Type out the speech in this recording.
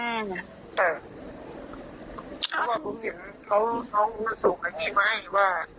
ถ้าว่าพวกเห็นเขาส่งอย่างนี้มาให้ว่า